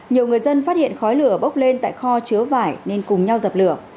nhiều người dân phát hiện khói lửa bốc lên tại kho chứa vải nên cùng nhau dập lửa